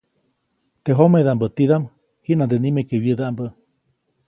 Teʼ jomedaʼmbä tidaʼm, jiʼnande nimeke wyädaʼmbä.